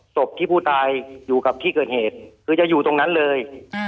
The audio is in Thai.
ศพที่ผู้ตายอยู่กับที่เกิดเหตุคือจะอยู่ตรงนั้นเลย